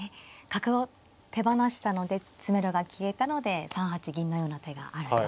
角を手放したので詰めろが消えたので３八銀のような手があると。